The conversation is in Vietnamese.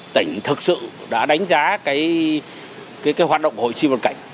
tỉnh thực sự đã đánh giá hoạt động của hội sinh vật cảnh